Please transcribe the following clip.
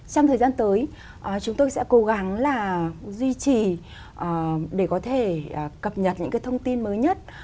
trong thời gian tới chúng tôi sẽ cố gắng là duy trì để có thể cập nhật những cái thông tin mới nhất